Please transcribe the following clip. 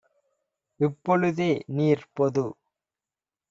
இப்பொழு தேநீர் - பொது